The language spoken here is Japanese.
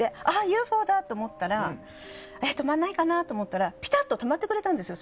あ、ＵＦＯだ！と思って止まらないかなと思ったら止まってくれたんですよ。